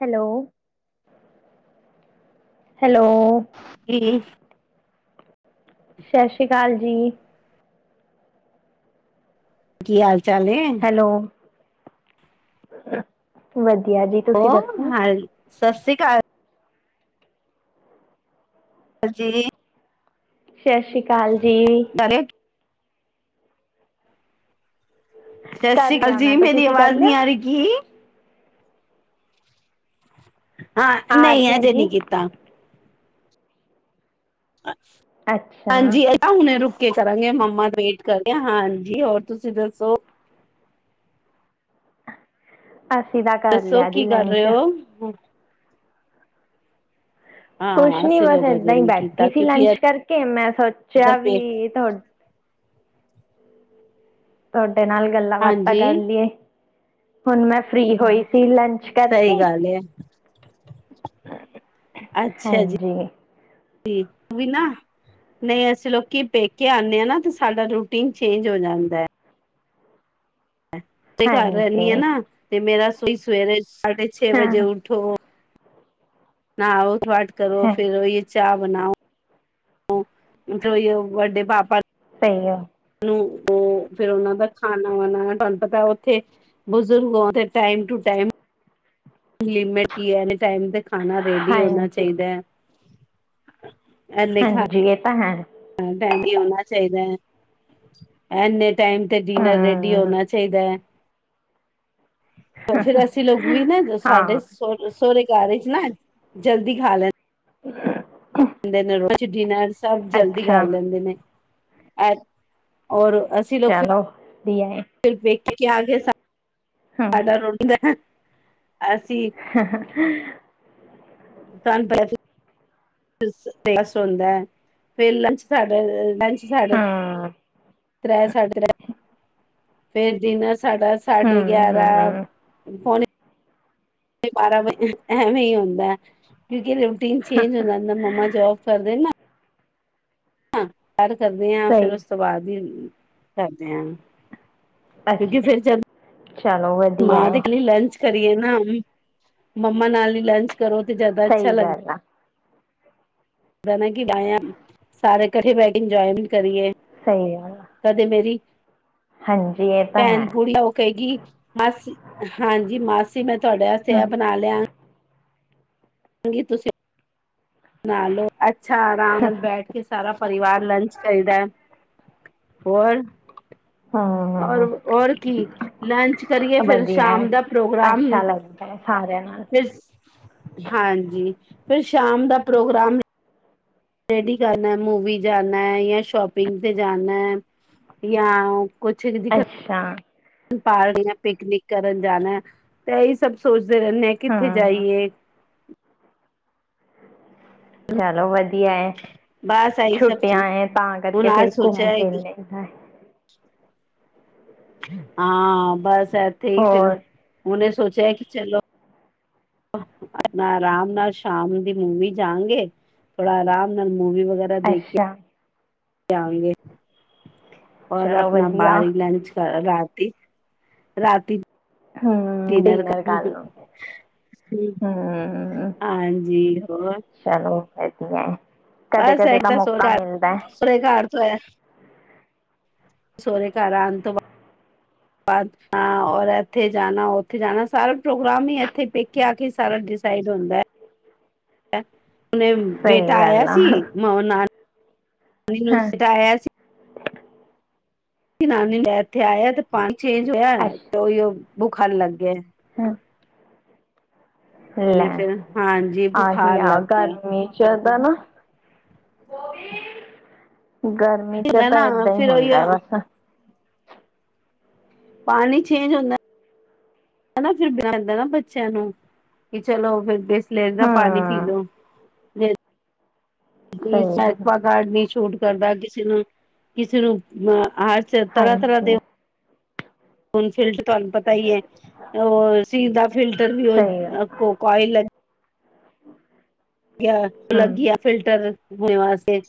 Hello hello. ਜੀ। ਸਤਿ ਸ੍ਰੀ ਅਕਾਲ ਜੀ। ਕੀ ਹਾਲ? ਚਾੱਲ ਏ? ਵਧ ਉਹ ਹਾਲ? ਸਤਿ ਸ੍ਰੀ ਅਕਾਲ। ਜੀ। ਸਤਿ ਸ੍ਰੀ ਅਕਾਲ ਜੀ। ਸਤਿ ਸਤਿ ਕਰ ਸ੍ਰੀ ਅਕਾਲ ਲਿਆ ਜੀ ਮੈਂ ਤਾਂ ਮੇਰੀ ਤੁਸੀਂ ਕਰ ਆਵਾਜ਼ ਨੀ ਲਿਆ ਆ ਰਹੀ ਕੀ? ਹਾਂ ਆ ਰਹੀ ਨਹੀਂ ਹੈ ਅਜੇ ਜੀ ਨਹੀਂ ਕੀਤਾ। ਅੱਛਾ ਹਾਂਜੀ-ਹਾਂਜੀ ਮੈਂ ਹੁਣੇ ਰੁਕ ਕੇ ਕਰਾਂਗੇ ਆਪਾਂ। ਮੰਮਾ ਟਰੀਟ ਕਰ ਰਿਹਾ ਹਾਂਜੀ ਹੋਰ ਤੁਸੀਂ ਦੱਸੋ? ਅਸੀਂ ਤਾਂ ਕਰ ਦੱਸੋ ਲਿਆ ਜੀ ਕੀ ਕਰ ਰਹੇ ਲੰਚ ਹੋ ਹੂੰ। ਕੁਛ ਹਾਂ ਨੀ ਅਸੀਂ ਬਸ ਲੋਕ ਅਜੇ ਏਦਾਂ ਹੀ ਨਹੀਂ ਕੀਤਾ ਬੈਠੀ ਸੀ ਕਿਉਂਕਿ ਲੰਚ ਕਰਕੇ ਮੈਂ ਇਧਰ ਸੋਚਿਆ ਪੇ ਵੀ ਤੁਹਾਡੇ- ਤਾਡ ਨਾਲ ਗੱਲਾਂ ਬਾਤਾਂ ਕਰ ਹਾਂਜੀ ਲਈਏ? ਹੁਣ ਮੈਂ ਫਰੀ ਹੋਈ ਸੀ ਲੰਚ? ਸਹੀ ਕਰਕੇ ਗੱਲ ਏ ਅੱਛਾ ਜੀ। ਹਾਂਜੀ ਠੀਕ ਵੀ ਨਾ ਨਹੀਂ ਅਸੀਂ ਲੋਕੀ ਪੇਕੇ ਆਣੇ ਹਾਂ ਨਾ ਤੇ ਸਾਡਾ ਰੂਟੀਨ ਚੇਂਜ ਹੋ ਜਾਂਦਾ। ਤੇ ਘਰ ਹਾਂਜੀ ਰਹਿਣੀ ਨਾ ਤੇ ਮੇਰਾ। ਤੁਸੀ ਸਵੇਰੇ? ਸਾਢੇ ਛੇ ਹਾਂ ਵਜੇ ਉਠੋ। ਨਾਉ। ਪਾਠ ਕਰੋ ਹਾਂ ਫੇਰ ਇਹੋ ਚਾਹ। ਬਣਾਓ? ਮਤਲਬ ਉਹੋਏ ਵੱਡੇ ਪਾਪਾ। ਸਹੀ ਆ। ਹੂੰ-ਹੂੰ ਫੇਰ ਉਹਨਾਂ ਦਾ ਖਾਣਾ ਵਾਣਾ ਤੁਹਾਨੂੰ ਪਤਾ ਉੱਥੇ ਬਜ਼ੁਰਗ ਬਹੁਤ ਟਾਈਮ ਟੂ ਟਾਈਮ। ਲਿਮਿਟ ਆ ਐਟੇ ਟਾਈਮ 'ਤੇ ਖਾਣਾ ਰੇਡੀ ਹੋਣਾ ਹਾਂਜੀ ਚਾਹੀਦਾ ਹੈ? ਹੂੰ। ਹਾਂਜੀ ਇਹ ਤਾਂ ਹੈ। ਨਹੀਂ ਹੋਣਾ ਚਾਹੀਦਾ ਐਨੇ ਟਾਈਮ ਤੇ ਡਿਨਰ ਰੈਡੀ ਹਮ ਹੋਣਾ ਚਾਹੀਦਾ ਹੈ ਫੇਰ ਅਸੀਂ ਲੋਕ ਵੀ ਨਾ ਸਾਢੇ ਹਾਂ ਸੋ ਸੋਹਰੇ ਘਰ ਵਿੱਚ ਨਾ ਜਲਦੀ ਖਾ ਲੈਦੇ ਅੱਛਾ ਦੇ ਨੇ ਰੋਜ਼ ਡਿਨਰ ਸਭ ਜਲਦੀ ਅੱਛਾ ਕਰ ਲੈਂਦੇ ਨੇ ਅ ਔਰ ਅਸੀਂ ਲੋਕ ਫਿਰ ਦੀ ਆਏ ਪੇਕੇ ਆ ਗਏ ਸਾਡਾ ਰੋਟੀ ਦਾ ਨਾ ਹਾ ਹਾ [inaudible] ਸਾਡੇ ਹਮ ਤ੍ਰੈ ਸਾਢੇ ਤੈ ਫੇਰ ਜਿਨ੍ਹਾਂ ਸਾਡਾ ਸਾਢੇ ਗਿਆਰਾਂ ਹਮ ਪੋਣੇ ਏ ਬਾਰਾਂ ਵਜੇ, ਐਵੇਂ ਹੀ ਹੁੰਦਾ ਕਿਉਂਕਿ ਕਿੰਜ ਚੇਂਜ ਹੋ ਜਾਂਦੇ, ਮੰਮਾ ਜੋਬ ਕਰਦੇ ਨਾ ਹਾਂ ਐੱਡ ਕਰਦੇ ਆਂ, ਫੇਰ ਸਹੀ ਉਸ ਤੋਂ ਬਾਅਦ ਵੀ ਕਰਦੇ ਆਂ ਕਿਉਂਕਿ ਅੱਛਾ ਫਿਰ ਚਲ, ਚਲੋ ਵਧੀਆ ਮਾਂ ਹੈ ਦੀ ਗਲੀ ਲੰਚ। ਕਰੀਏ ਨਾ, ਮੰਮਾ ਨਾਲ ਈ ਲੰਚ ਕਰੋ ਤੇ ਜ਼ਿਆਦਾ ਅੱਛਾ ਸਹੀ ਲੱਗਦਾ ਗੱਲ ਆ ਕਿ ਬੈ [inaudible] ਸਾਰੇ ਇਕੱਠੇ ਬਹਿ ਕੇ ਇੰਜੋਏਮੈਂਟ ਕਰੀਏ। ਸਹੀ ਗੱਲ ਆ ਕਦੇ ਮੇਰੀ ਹਾਂਜੀ ਇਹ ਤਾਂ ਹੈ ਭੈਣ ਬੁੜੀ, ਔ ਕਹੇਗੀ ਮਾਸੀ, ਹਾਂਜੀ ਮਾਸੀ ਸੀਮਤ ਤੁਹਾਡੇ ਵਾਸਤੇ ਇਹ ਹਮ ਬਣਾ ਲਿਆ। ਹਾਂ ਗੀ ਤੁਸੀਂ- ਨਾ ਲੋ ਅੱਛਾ ਆਰਾਮ ਨਾਲ ਬੈਠ ਕੇ ਸਾਰਾ ਪਰਿਵਾਰ ਲੰਚ ਕਰਦਾ। ਹੋਰ। ਔਰ ਹਮ ਹੋਰ ਕੀ ਲੰਚ ਕਰੀਏ। ਫਿਰ ਵਧੀਆ ਹੈ ਸ਼ਾਮ ਦਾ ਪ੍ਰੋਗਰਾਮ, ਅੱਛਾ ਲੱਗਦਾ ਹੈ ਸਾਰਿਆਂ ਨਾਲ ਫਿਰ, ਹਾਂਜੀ। ਫਿਰ ਸ਼ਾਮ ਦਾ ਪ੍ਰੋਗਰਾਮ ਰੇਡੀ ਕਰਨਾ ਮੂਵੀ ਜਾਣਾ ਜਾਂ ਸ਼ੋਪਿੰਗ ਤੇ ਜਾਣਾ ਯਾਂ ਅੱਛਾ। ਬਾਹਰ ਇਆਂ ਪਿਕਨਿਕ ਕਰਨ ਜਾਣਾ ਤੇ ਇਹੀ ਸਭ ਸੋਚਦੇ ਰਹਿੰਨੇ ਆ ਕਿੱਥੇ ਹਮ ਜਾਈਏ? ਚਲੋ ਵਧੀਆ ਏ। ਬਸ ਇਹੀ ਛੁੱਟੀਆਂ ਸਭ ਏ ਤਾਂ ਹੁਣ ਕਰਕੇ ਅੱਜ ਫਿਰ ਸੋਚਿਆ ਘੁੰਮ ਹੈ ਫਿਰ ਕਿ ਲੈਂਦਾ। ਹਾਂ, ਬਸ ਇੱਥੇ ਹੀ ਫਿਰ ਹੋਰ ਉਹਨੇ ਸੋਚ ਜੈਕ ਚਲੋ। ਆਪਣਾ ਆਰਾਮ ਨਾਲ ਸ਼ਾਮ ਦੀ ਮੂਵੀ ਜਾਨਗੇ ਥੋੜਾ ਆਰਾਮ ਨਾਲ ਮੂਵੀ ਵਗੈਰਾ ਦੇਖ ਕੇ। ਅੱਛਾ ਜਾਵੇਂਗੇ। ਔਰ ਚਲੋ ਆਪਣਾ ਵਧੀਆ ਬਾਹਰ ਹੀ ਲੰਚ ਕਰ ਰਾਤ ਰਾਤੀ ਹਮ ਡਿਨਰ ਕਰ ਲਓ [unintelligible] ਹਮ ਹਾਂਜੀ ਹੋਰ ਅੱਛਾ। ਬਸ ਐ ਤਾਂ ਸ ਘਰ ਸੁਰ ਘਰ ਤੋਂ ਐ। ਸੋਹੁਰੇ ਘਰ ਆਣ ਤੋਂ ਬਾਅਦ ਹਾਂ, ਔਰ ਇਥੇ ਜਾਣਾ ਉਥੇ ਜਾਣਾ ਸਾਰਾ ਪ੍ਰੋਗਰਾਮ ਹੀ ਇਥੇ ਪੇਕੇ ਆ ਕੇ ਸਾਰਾ ਡਿਸਾਈਡ ਹੁੰਦਾ। ਹੁਣੇ ਬੇਟਾ ਸਹੀ ਆਇਆ ਗੱਲ ਆ ਸੀ ਮੈਂ ਨਾਲ ਹਾਂ [unintelligible] ਆਇਆ ਸੀ। ਜ ਨਾਨੀ ਲੈ ਇੱਥੇ ਆਇਆ ਤੇ ਪਾਣੀ ਚੇਂਜ ਹੋਇਆ ਅੱਛਾ ਤਾਂ ਉਹੀਉ। ਬੁਖਾਰ ਲੱਗ ਗਿਆ। [inaudible] ਨੇ ਲੈ। ਫਿਰ ਹਾਂਜੀ ਆਹੀ ਬੁਖਾਰ ਆ ਲੱਗ ਗਿਆ ਗਰਮੀ ਚ ਦਾ ਨਾ ਬੋਵੀ। ਗਰਮੀ ਚ ਹੁੰਦਾ ਤਾਂ ਨਾ ਏਦਾਂ ਈ ਫਿਰ ਉਹੀ ਹੁੰਦਾ ਬਸ। ਪਾਣੀ ਚੇਂਜ ਹੁੰਦਾ [inaudible] ਫਿਰ [inaudible] ਨਾ ਬੱਚਿਆਂ ਨੂੰ ਕਿ ਚਲੋ ਫਿਰ ਸਲੇਰ ਦਾ ਪਾਣੀ ਪੀ ਹਮ ਲੋ। [inaudible] ਸਹੀ ਇਹ ਐ ਗੱਲ ਆ। ਇਕਵਾ ਗਾਰਡ ਦੀ ਛੂਟ ਕਰਦਾ ਕਿਸੇ ਨੂੰ ਕਿਸੇ ਨੂੰ ਅ ਹਰ ਤਰ੍ਹਾਂ ਤਰ੍ਹਾਂ ਹਾਂਜੀ ਦੇ ਹੂਨ ਫਿਲਟਰ ਤੁਹਾਨੂੰ ਪਤਾ ਹੀ ਹੈ ਉਹ ਸੀ ਦਾ ਫਿਲਟਰ ਵੀ ਉਹ ਸਹੀ ਗੱਲ ਆ। ਕੋ ਕੋਇਲ ਗਯਾ ਉਹ ਲੱਗ ਹਮ ਗਿਆ ਫਿਲਟਰ ਹੋਣ ਵਾਸਤੇ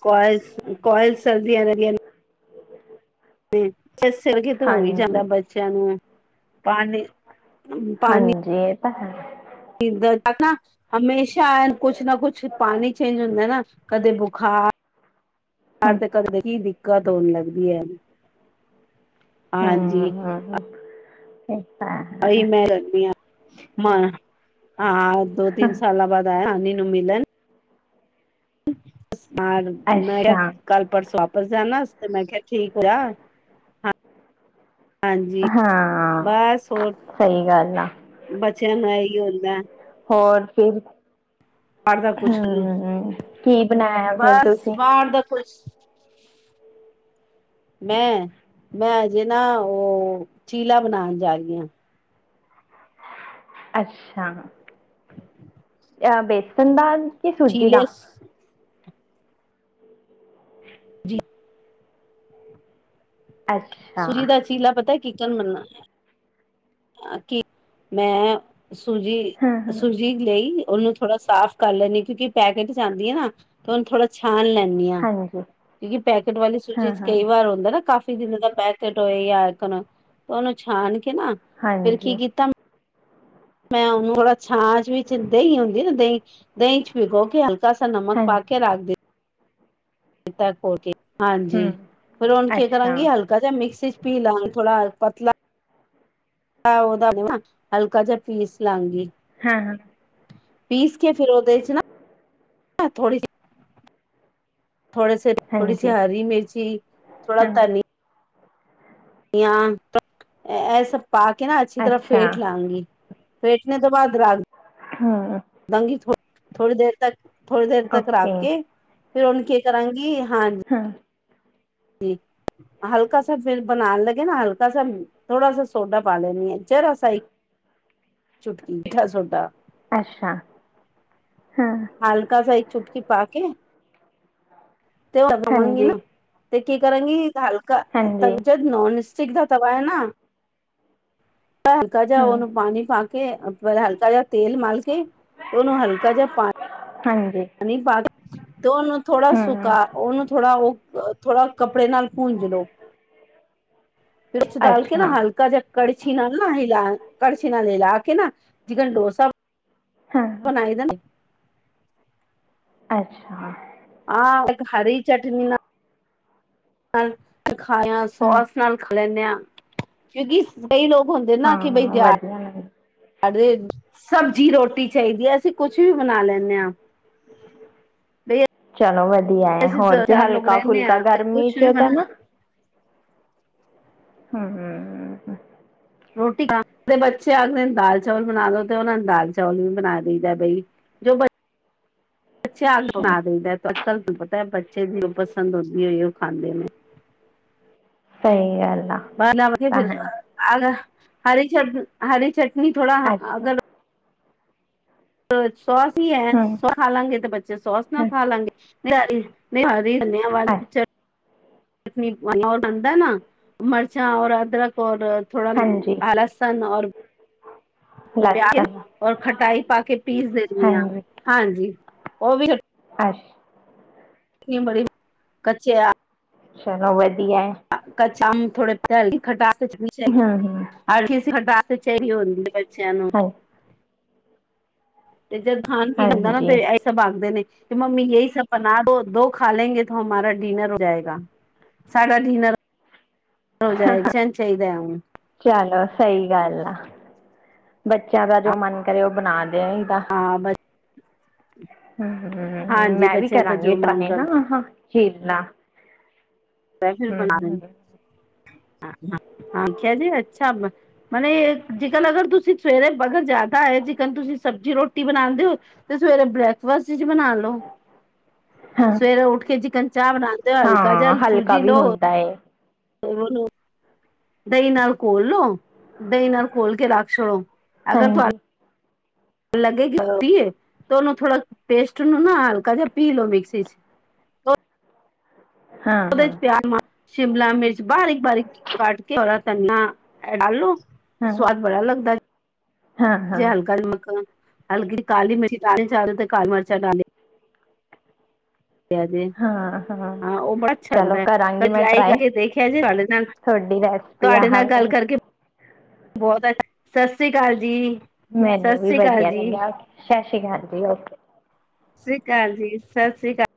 ਕੋਇਲ ਕੋਇਲ ਸਰਦੀਆਂ ਦੀਆਂ ਨੇ ਇਸ ਸਿਰ ਕਿ ਤੇ ਹੋ ਹੀ ਜਾਂਦਾ ਹਾਂਜੀ ਬੱਚਿਆਂ ਨੂੰ ਪਾਣੀ ਪਾਣੀ [inaudible] ਇ ਦ ਤੱਕ ਨਾ ਹਮੇਸ਼ਾ ਚਾਇ ਕੁਛ ਨਾ ਕੁਛ ਪਾਣੀ ਚਾਹੀਦਾ ਹੁੰਦਾ ਨਾ ਕਦੇ ਬੁਖਾਰ ਹਮ ਤੇ ਕਰਦੇ ਕੀ ਦਿੱਕਤ ਹੋਨ ਲੱਗਦੀ ਹੈ ਹਮ ਹਮ ਮ ਆਹੀ ਮੈਂ ਰਖਦੀ ਹਾਂ ਮੈਂ ਹਾਂ ਦੋ ਤਿੰਨ ਸਾਲਾਂ ਬਾਅਦ ਆਯਾ ਹਨੇ ਨੂੰ ਮਿਲਨ [inaudible] ਮ ਮੈਂ ਕਿਹਾ ਅੱਛਾ ਕੱਲ ਪਰਸੋਂ ਸ ਜਾਣਾ ਤੇ ਮੈਂ ਕਿਹਾ ਠੀਕ ਹੋਇਆ ਹ ਹਾਂ ਸਹੀ ਗੱਲ ਆ ਛਨ ਏਹੀ ਹੁੰਦਾ ਹੋਰ ਫਿਰ ਬਾਰ ਦਾ ਕੁਛ ਨਹੀਂ ਹਮ ਕੀ ਬਣਾਇਆ ਫਿਰ ਬਸ ਤੁਸੀਂ ਬਾਰ ਦਾ ਕੁਛ ਮੈਂ ਮੈਂ ਅਜੇ ਨਾ ਉਹ ਚੀਲਾ ਬਣਾਉਣ ਜਾ ਰਹੀ ਹਾਂ ਅੱਛਾ [unintelligible] ਅ ਬੇਸਨ ਦਾਲ [unintelligible] ਜੀ ਅੱਛਾ ਸੂਜੀ ਦਾ ਚੀਲਾ ਪਤਾ ਚਿਕਨ ਬਨਨਾ ਹੈ। ਕਿ ਮੈਂ ਹਾਂ ਹਾਂ ਸੂਜੀ-ਸੂਜੀ ਲਈ ਉਹਨੂੰ ਥੋੜਾ ਸਾਫ਼ ਕਰ ਲੈਣੀ ਕਿਉਂਕਿ ਪੈਕੇਟ ਚ ਆਂਦੀ ਏ ਨਾ, ਉਹਨੂੰ ਥੋੜਾ ਛਾਣ ਲੈਣੀ [unintelligible] ਹਾਂਜੀ ਕਿਉਂਕਿ ਪੈਕੇਟ ਵਾਲੀ ਸੁੱਜੀ ਹਾਂ ਚ ਹਾਂ ਕਈ ਵਾਰ ਹੁੰਦਾ ਨਾ ਕਾਫੀ [unintelligible] ਮਤਲਬ ਪੈਕੇਟ ਹੋਏ ਜਾ [unintelligible] ਉਹਨੂੰ ਛਾਣ ਕੇ ਨਾ ਫਿਰ ਹਾਂਜੀ ਕੀ ਹਾਂ ਕੀਤਾ। ਮੈਂ ਉਹਨੂੰ ਥੋੜਾ ਛਾਂਛ ਵਿੱਚ ਦਹੀਂ ਹੁੰਦੀ ਨਾ ਦਹੀਂ ਦਹੀਂ ਚ ਭਿਗੋ ਕੇ ਹਲ ਥੋੜਾ ਸਾ ਨਮਕ ਪਾ ਕੇ ਰੱਖ ਦੇ। ਤੇ ਘਰ ਪਹੁੰਚੇ। ਹਾਂਜੀ, ਹਮ ਫਿਰ ਹੁਣ ਕੀ ਅੱਛਾ ਕਰਾਂਗੀ ਹਲਕਾ ਜਾਂ ਮਿਕਸੀ ਚ ਪੀ ਲਾਂਗੀ ਥੋੜਾ ਪਤਲਾ ਓ ਉਹਦਾ ਹਲਕਾ ਜਿਹਾ ਪੀਸ ਲਾਗੀ। ਹਾਂ ਹਾਂ। ਪੀਸ ਕੇ ਫਿਰ ਉਹਦੇ ਚ ਨਾ ਥੋੜ੍ਹੀ ਜਿਹੀ ਥੋੜੇ ਸੇ ਥੋੜੀ ਸੀ ਹਾਂਜੀ ਹਰੀ ਮਿਰਚੀ, ਥੋੜਾ ਹਾਂ ਧਨੀ ਜਾਂ [unintelligible] ਐ ਸਭ ਪਾ ਕੇ ਨਾ ਅੱਛੀ ਤਰ੍ਹਾਂ ਅੱਛਾ ਫੇਟ ਲਾਂਗੀ। ਫੇਟਣੇ ਤੋਂ ਬਾਦ ਰਾਗ ਹੂੰ। ਥੋੜੀ ਦੇਰ ਤੱਕ ਥੋੜੀ ਦੇਰ ਤੱਕ ਰੱਖ ਕੇ ਫਿਰ ਉਹਨੂੰ ਕੀ ਕਰਾਂਗੀ। ਹਾਂ। ਜੀ ਹਲਕਾ ਸਾ ਫਿਰ ਬਣਾਉਣ ਲੱਗੇ ਨਾ ਹਲਕਾ ਸਾ ਥੋੜਾ ਸਾ ਸੋਡਾ ਪਾ ਲੈਣੀ ਹੈ ਜਰਾ ਸਾ ਇੱਕ ਚੁਟਕੀ ਮੀਠਾ ਸੋਡਾ। ਅੱਛਾ, ਹੂੰ। ਕਿ ਪਾ ਕੇ। ਤੇ ਹੋਰ ਹੋਵਾਂਗੀ ਹਾਂਜੀ ਨਾ। ਤੇ ਕੀ ਕਰਾਂਗੀ। ਹਲਕਾ ਤਲ ਹਾਂਜੀ ਜਦ ਨੋਨ ਸ ਚਿੱਕ ਦਾ ਤਵਾ ਹੈ ਨਾ। ਹਲਕਾ ਜਾ ਹਮ ਉਹਨੂੰ ਪਾਣੀ ਪਾ ਕੇ ਤੇ ਹਲਕਾ ਜਾ ਤੇਲ ਮਲ ਕੇ ਉਹਨੂੰ ਹਲਕਾ ਜਿਹਾ ਹਾਂਜੀ ਪਾਣੀ ਪਾ ਕੇ ਤੇ ਉਹਨੂੰ ਥੋੜਾ ਹਮ ਸੁਕਾ ਉਹਨੂੰ ਥੋੜਾ ਉਹ ਥੋੜਾ ਕੱ ਕੱਪੜੇ ਨਾਲ ਪੂੰਜ ਲਓ। ਮਿਰਚ ਡਾਲ ਕੇ ਨਾ ਅੱਛਾ ਹਲਕਾ ਜਾ ਕੜਛੀ ਨਾਲ ਨਾ ਹਿਲਾ ਕੱੜਛੀ ਨਾਲ ਈ ਲਾ ਕੇ ਨਾ ਚਿਕਨ ਡੋਸਾ ਹਾਂ ਬਣਾਈਦਾ ਨਾ। ਅੱਛਾ ਆਹ, ਇੱਕ ਹਰੀ ਚਟਨੀ ਨਾਲ ਖਾਇਆ ਹਮ ਸੋਸ ਨਾਲ ਖਾ ਲੈਂਦੇ ਆਂ। ਕਿਉਂਕਿ ਕਈ ਲੋਕ ਹੁੰਦੇ ਨਾ ਕਿ ਬਈ ਹਾਂ ਦਿਹਾ ਵਧੀਆ ਲੱਗ ਸਬਜ਼ੀ ਰੋਟੀ ਚਾਹੀਦੀ ਹੈ, ਅਸੀਂ ਕੁਛ ਵੀ ਬਣਾ ਲੈਂਦੇ ਆਂ। ਚਲੋ ਵੱਧੀ ਵਧੀਆ ਅਸੀਂ ਹੋਰ ਦੋ ਕੀ ਚਾਰ ਲੋਕ ਹਲਕਾ ਰਹਿੰਦੇ ਫੁਲਕਾ ਹਾਂ ਤੇ ਗਰਮੀ ਕੁਛ ਵੀ ਚ ਤਾਂ ਬਣਾ ਨਾ ਹੂੰ, ਹੂੰ, ਹੂੰ, ਹੂੰ ਰੋਟੀ ਖਾਂਦੇ ਬੱਚੇ ਆਖਦੇ ਨੇ ਦਾਲ ਚਾਵਲ ਬਣਾਲੋ ਤੇ ਉਹਨਾਂ ਨੂੰ ਦਾਲ ਚਾਵਲ ਵੀ ਬਣਾ ਦਈਦਾ ਬਈ ਜੋ ਬੱਚ ਬੱਚਿਆਂ ਨੂੰ ਤਾ ਅੱਛਾ ਬਣਾ ਦਈਦਾ ਕੁਛ। ਕੱਲ ਤੂੰ ਪਤਾ ਹੈ ਬਈ ਬੱਚੇ ਦੀ ਉਹ ਪਸੰਦ ਹੁੰਦੀ ਉਈਓ ਖਾਂਦੇ ਨੇ। ਸਹੀ ਗੱਲ ਆ ਬਾਹਰ ਲਿਆ ਵਧੀਆ ਤਾਂ ਫਿਰ, ਹੈ ਆਜਾ। ਹਰੀ ਚੱਟਣੀ, ਹਰੀ ਚੱਟ ਨੀ ਥੋੜਾ ਅੱਛਾ ਅਗਰ ਅਛ ਸੋਸ ਹੀ ਹੈ ਹਮ ਸੋ ਖਾਲਾਂਗੇ ਤੇ ਬੱਚੇ ਸੋਸ ਨਾਲ ਹਮ ਖਾਲਾਂਗੇ ਨਈ ਆਈ ਨੀ ਆਈ ਧਨੀਆ ਵਾਲੀ ਅੱਛਾ ਚੱਟ ਚਟਨੀ ਬਣਾਉਣ ਆਂਦਾ ਨਾ ਮਰਚ ਚਾ ਔਰ ਅਦਰਕ, ਔਰ ਥੋੜਾ ਹਾਂਜੀ ਲੱਸਨ ਔਰ ਪਿਆਜ਼ ਲਸਣ ਔਰ ਖਟਾਈ ਪਾ ਕੇ ਪੀਸ ਦਿੰਨੀ ਆਂ, ਹਾਂਜੀ ਹਾਂਜੀ ਉਹ ਵੀ ਅੱਛ ਨੀ ਬੜੀ ਕੱਚੇ ਆ। ਚਲੋ ਵਧੀ ਕੱਚਾ ਅੰਬ ਥੋੜੇ ਤੇ ਹੈ ਵੀ ਖਟਾ ਕੁਟਣੀ ਚਾਹੀਦੀ ਹਮ ਹਮ ਹਾਰ ਕੇ ਅਸੀਂ ਹਟਾ ਕਚਿਹਰੀ ਹੁੰਦੀ ਹੈ। ਚੱਲੋ ਹਾਂ ਤੇ ਜਦ ਖਾਣ ਪੀਣ ਹੁੰਦਾ ਨਾ ਹਾਂਜੀ ਤੇ ਇਹ ਸਭ ਆਦੇਂ ਨੇ ਕਿ ਮੰਮੀ ਇਹ ਸਭ ਬਣਾ ਦੋ ਤੋ ਖਾ ਲੇਗੇ ਤੋ ਹਮਾਰਾ ਡਿਨਰ ਹੋ ਜਾਏਗਾ ਸਾਡਾ ਡਿਨਰ ਹੋ ਜਾਏਗੀਇਹੀ ਚਾਹੀਦਾ। ਚਲੋ ਸਹੀ ਗੱਲ ਆ ਬੱਚਿਆਂ ਦਾ ਜੋ ਮਨ ਕਰੇ ਉਹ ਬਣਾ ਲੋ। ਚਾਹੀਦਾ ਹਾਂ ਬ ਹੂੰ‌, ਹੂੰ ਹਾਂਜੀ ਮੈਂ ਵੀ ਬੱਚਿਆਂ ਦਾ ਕਰਾਂਗੀ ਜੋ ਮਨ ਟਰਾਏ ਨਾ ਕਰਦਾ [unintelligible] ਸਪੈਸ਼ਲ ਹਮ ਬਣਾ ਰਹੇ ਹਮ ਨੇ ਅੱਛਿਆ ਜੀ ਅੱਛਾ ਮਤਲਬ ਇਹ ਜੇਕਰ ਅਗਰ ਤੁਸੀਂ ਸਵੇਰੇ ਬਡਨ ਜ਼ਿਆਦਾ ਏ ਜੀ ਕਹਿੰਦੇ ਤੁਸੀਂ ਸਬਜ਼ੀ ਰੋਟੀ ਬਣਾਦੇ ਹੋ ਤੇ ਸਵੇਰੇ ਬ੍ਰੇਕਫਾਸਟ ਬਣਾ ਲੋ ਹਾਂ ਸਵੇਰੇ ਉੱਠ ਕੇ ਚਿਕਨ ਚਾਹ ਬਣਾਉਂਦੇ ਹੋ ਹਲਕਾ ਜਿਹਾ ਹਾਂ ਹਲਕਾ ਵੀ ਹੁੰਦਾ ਏ ਓਨੂ ਦਈ ਨਾਲ ਘੋਲ ਲੋ ਦੲਈ ਨਾਲ ਘੋਲ ਕੇ ਰੱਖ ਛੋੜੋ। ਅਗਰ ਤੁਹਾਡੇ ਹਾਂਜੀ ਲੱਗੇਗੀ [unintelligible] ਏ ਤਾਂ ਉਹਨੂੰ ਥੋੜਾ ਪੇਸਟ ਨੂੰ ਨਾ ਹਲਕਾ ਜਿਹਾ ਪੀ ਲਓ ਮਿਕਸੀ ਚ ਹਾਂ ਉਹਦੇ ਹਾਂ ਚ ਪਿਆਜ ਪਾਣਾ ਸ਼ਿਮਲਾ ਮਿਰਚ ਬਾਰੀਕ ਬਾਰੀਕ ਕਟ ਕੇ ਹਰਾ‌ ਧਨੀਆ [unintelligible] ਹਾਂ ਸਵਾਦ ਬੜਾ ਲੱਗਦਾ ਏ ਹਾਂ ਜੇ ਹਾਂ ਹਲਕਾ ਨਮਕ ਹਲਕੀ ਕਾਲੀ ਮਿਰਚੀ ਚ ਤੇ ਕਾਲੀ ਮਿਰਚਾਂ ਡਾਲੀ ਜੇ ਹਾਂ ਉਹ ਬੜਾ ਅੱਛਾ ਚਲੋ ਲੱਗਦਾ ਫੇਰ ਕਰਾਂਗੀ ਮੈਂ ਟਰਾਈ ਕਰਕੇ ਦੇਖਿਆ ਜੇ ਤੁਹਾਡੇ ਨਾਲ ਤੁਹਾਡੀ ਰੈਸਪੀ ਤੁਹਾਡੇ ਆਹ ਨਾਲ ਗੱਲ ਵਾਲੀ ਕਰਕੇ ਬਹੁਤ ਅਛ ਸਤਿ ਸ੍ਰੀ ਅਕਾਲ ਜੀ ਸਤਿ ਮੈਨੂੰ ਵੀ ਸ੍ਰੀ ਅਕਾਲ ਵਧੀਆ ਜੀ ਲੱਗਿਆ। ਸਤਿ ਸ਼੍ਰੀ ਅਕਾਲ ਜੀ ਓਕੇ ਸ੍ਰੀ ਅਕਾਲ ਜੀ ਸਤਿ ਸ੍ਰੀ ਅਕਾਲ